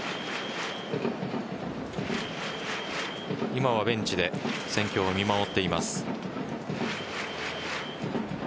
今はベンチで戦況を見守っています。